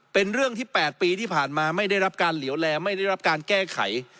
เป็นเรื่องที่๘ปีที่ผ่านมาไม่ได้รับการเหลวแลไม่ได้รับการแก้ไข